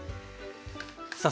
さあ